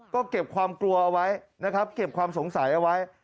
ก็เก็บความกลัวเอาไว้นะครับเก็บความสงสัยเอาไว้